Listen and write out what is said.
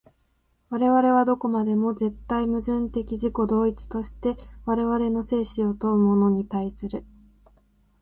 我々はどこまでも絶対矛盾的自己同一として我々の生死を問うものに対する。